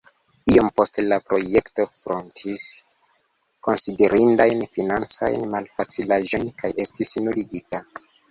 Iom poste la projekto frontis konsiderindajn financajn malfacilaĵojn kaj estis nuligita.